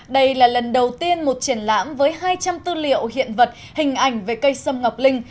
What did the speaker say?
đây là lần đầu tiên một triển lãm với hai trăm linh tư liệu hiện vật hình ảnh về cây sâm ngọc linh